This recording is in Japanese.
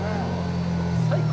最高！